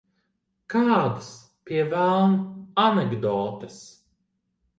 Kādas, pie velna, anekdotes?